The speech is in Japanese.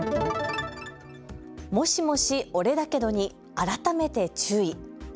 もしもし、オレだけどに改めて注意。